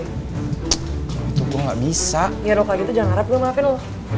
ya dong kayak gitu jangan harap gua maafin lu